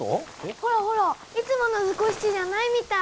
ほらほらいつもの図工室じゃないみたい！